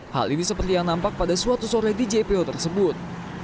hal ini seperti yang nampak pada suatu sore di jpo tersebut